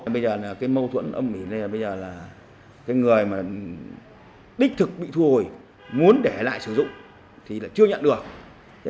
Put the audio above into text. bây giờ cái mâu thuẫn ở mỹ là cái người mà đích thực bị thu hồi muốn để lại sử dụng thì chưa nhận được